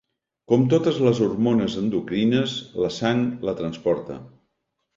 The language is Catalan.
Com totes les hormones endocrines, la sang la transporta.